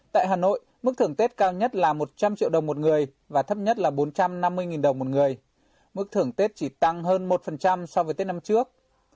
tại hà nội mức thưởng tết cao nhất là một trăm linh triệu đồng một người và thấp nhất là bốn trăm năm mươi đồng một người mức thưởng tết chỉ tăng hơn một so với tết năm trước